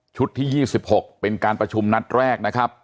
ชุดที่ยี่สิบหกเป็นการประชุมนัดแรกนะครับ